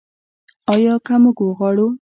آیا که موږ وغواړو؟